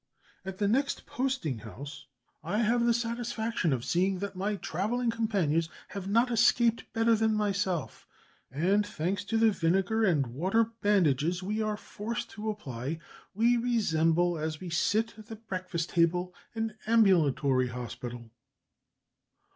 "At the next posting house, I have the satisfaction of seeing that my travelling companions have not escaped better than myself, and, thanks to the vinegar and water bandages we are forced to apply, we resemble, as we sit at the breakfast table, an ambulatory hospital!"